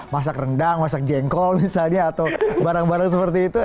masak rendang masak jengkol misalnya atau barang barang seperti itu